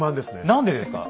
何でですか。